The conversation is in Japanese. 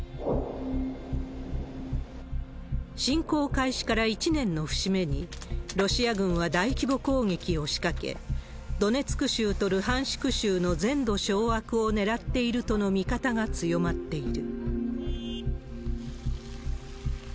侵攻開始から１年の節目に、ロシア軍は大規模攻撃を仕掛け、ドネツク州とルハンシク州の全土掌握を狙っているとの見方が強まっている。